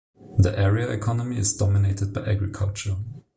The area economy is dominated by agriculture.